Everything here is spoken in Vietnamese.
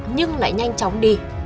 nhưng lại nhanh chóng đi